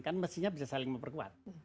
kan mestinya bisa saling memperkuat